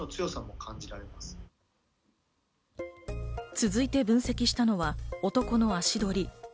続いて分析したのは、男の足取り。